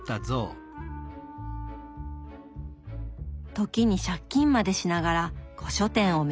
時に借金までしながら古書店を巡る日々。